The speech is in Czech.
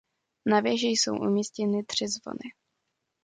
Na věži jsou umístěny tři zvony.